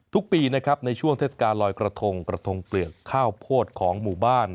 ทุกปีนะครับในช่วงเทศกาลลอยกระทงกระทงเปลือกข้าวโพดของหมู่บ้าน